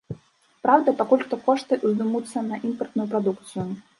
Праўда, пакуль што кошты ўздымуцца на імпартную прадукцыю.